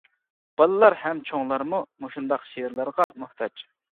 بالىلار ھەم چوڭلارمۇ مۇشۇنداق شېئىرلارغا موھتاج.